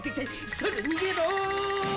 それ逃げろー！